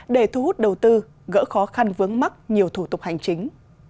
để thu hút đầu tư gỡ khó khăn vướng mắt nhiều thủ tục hành chính